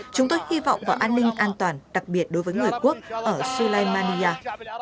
chúng tôi hy vọng vào an ninh an toàn đặc biệt đối với người quốc ở silimania